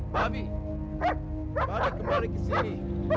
bami kembali ke sini